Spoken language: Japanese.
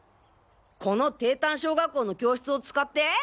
この帝丹小学校の教室を使って！？